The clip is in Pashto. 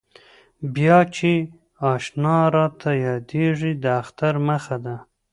بیا چې اشنا راته یادېږي د اختر مخه ده.